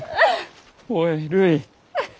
おいるい。